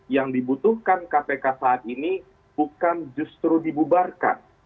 yang dibutuhkan kpk saat ini bukan justru dibubarkan